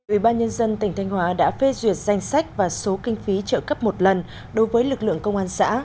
ủy ban nhân dân tỉnh thanh hóa đã phê duyệt danh sách và số kinh phí trợ cấp một lần đối với lực lượng công an xã